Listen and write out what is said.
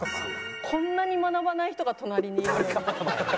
こんなに学ばない人が隣にいるのに。